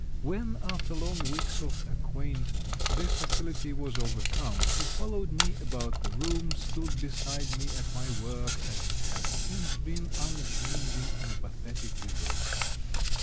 When, after long weeks of acquaintance, this hostility was overcome he followed me about the room, stood beside me at my work, and has since been unchanging in a pathetic devotion.